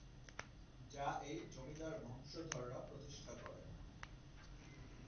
যা এই জমিদার বংশধররা প্রতিষ্ঠা করেন।